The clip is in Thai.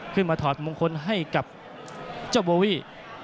ขึ้นมาถอดมงคลให้กับเจ้าโบวี่